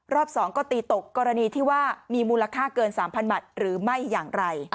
๒ก็ตีตกกรณีที่ว่ามีมูลค่าเกิน๓๐๐บาทหรือไม่อย่างไร